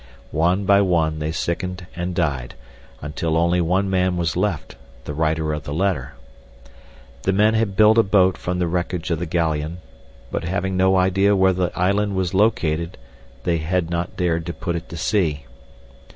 One by one they sickened and died, until only one man was left, the writer of the letter. The men had built a boat from the wreckage of the galleon, but having no idea where the island was located they had not dared to put to sea.